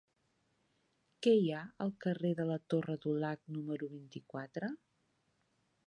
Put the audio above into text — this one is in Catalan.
Què hi ha al carrer de la Torre Dulac número vint-i-quatre?